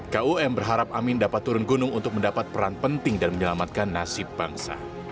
kum berharap amin dapat turun gunung untuk mendapat peran penting dan menyelamatkan nasib bangsa